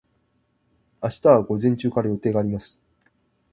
明日は午前中から予定があります。